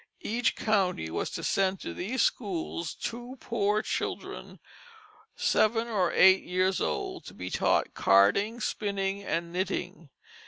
Each county was to send to these schools two poor children, seven or eight years old, to be taught carding, spinning, and knitting.